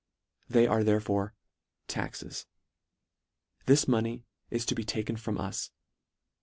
They are therefore taxes. This money is to be taken from us.